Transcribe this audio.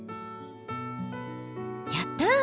やった！